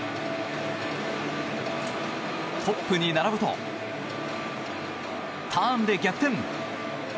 トップに並ぶとターンで逆転。